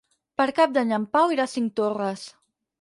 Per Cap d'Any en Pau irà a Cinctorres.